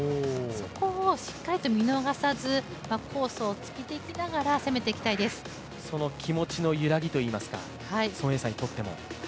そこをしっかりと見逃さず、コースをついていきながらその気持ちの揺らぎといいますか、孫エイ莎にとっても。